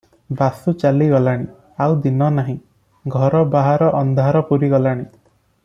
ବାସୁ ଚାଲି ଗଲାଣି, ଆଉ ଦିନ ନାହିଁ, ଘର ବାହାର ଅନ୍ଧାର ପୂରି ଗଲାଣି ।